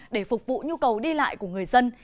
để phục vụ nhu cầu đi lại của người dân